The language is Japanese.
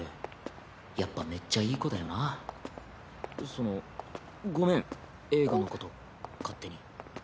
そのごめん映画のこと勝手に。